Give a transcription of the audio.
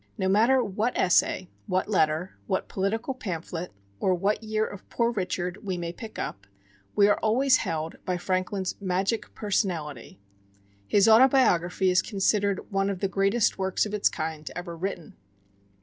No matter what essay, what letter, what political pamphlet, or what year of "Poor Richard" we may pick up, we are always held by Franklin's magic personality. His "Autobiography" is considered one of the greatest works of its kind ever written.